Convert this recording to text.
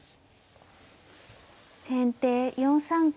先手４三金。